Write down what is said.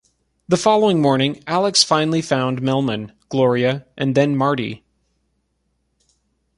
The following morning, Alex finally found Melman, Gloria, and then Marty.